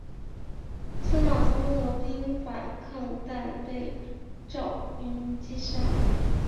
司马宗勒兵反抗但被赵胤击杀。